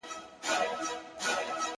نه پر مځکه چا ته گوري نه اسمان ته،